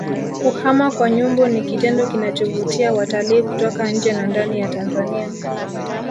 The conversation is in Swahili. kuhama kwa nyumbu ni kitendo kinachovutia watalii kutoka nje na ndani ya Tanzania